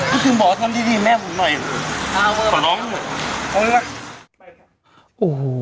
ก็ถึงบอกว่าทำดีแม่หมูหน่อย